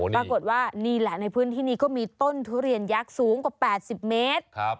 ปรากฏว่านี่แหละในพื้นที่นี้ก็มีต้นทุเรียนยักษ์สูงกว่า๘๐เมตร